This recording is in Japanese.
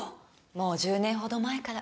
もう１０年ほど前から。